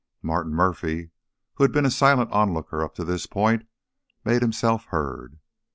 Martin Murphy, who had been a silent onlooker up to this point, made himself heard.